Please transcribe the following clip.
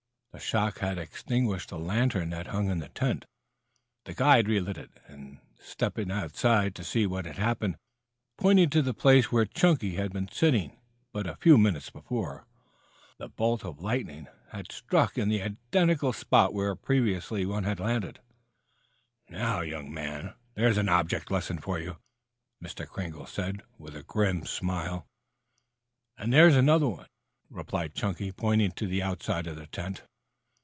The shock had extinguished the lantern that hung in the tent. The guide relighted it, and, stepping outside to see what had happened, pointed to the place where Chunky had been sitting but a few minutes before. The bolt had struck in the identical spot where the previous one had landed. "Now, young man, there's an object lesson for you," Mr. Kringle said, with a grim smile. "And there's another!" replied Chunky, pointing to the outside of the tent.